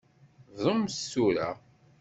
Bdumt tura.